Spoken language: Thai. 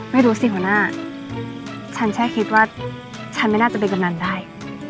ไม่รู้สิหัวหน้าฉันแค่คิดว่าฉันไม่น่าจะเป็นกำนันได้